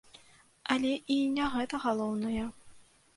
Але і не гэта галоўнае.